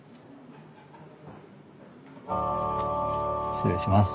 失礼します。